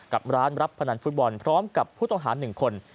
กับร้านรับพนันฟุตบอลพร้อมกับผู้ต้องหา๑คน